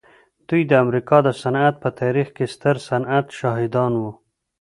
دوی د امریکا د صنعت په تاریخ کې د ستر صنعت شاهدان وو